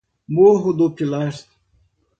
Morro do Pilar